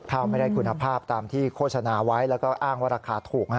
ข้าวไม่ได้คุณภาพตามที่โฆษณาไว้แล้วก็อ้างว่าราคาถูก